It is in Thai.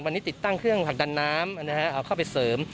วันนี้ติดตั้งเครื่องผลักดันน้ำเอาเข้าไปเสริม